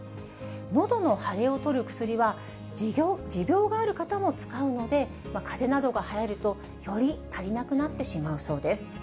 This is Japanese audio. のどの腫れを取る薬は、持病がある方も使うので、かぜなどがはやると、より足りなくなってしまうそうです。